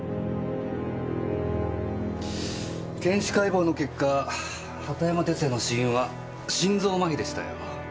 検視解剖の結果畑山哲弥の死因は心臓麻痺でしたよ。